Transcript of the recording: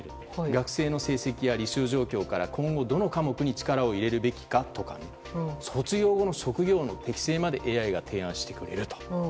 学生の成績や履修状況から今後、どの科目に力を入れるべきかとか卒業後の生徒の適正についてＡＩが提案してくれると。